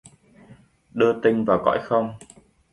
Đưa tinh vào cõi không.